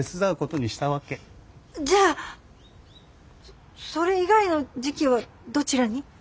じゃあそれ以外の時期はどちらに？